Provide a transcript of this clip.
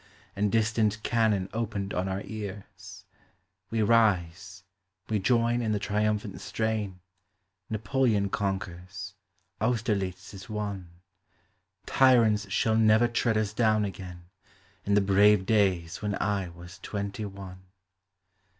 And distant cannon opened on our ears: We rise — we join in the triumphant strain — Napoleon conquers — Austcrlitz is won — Tyrants shall never tread us down again. In the brave days when I was twenty one.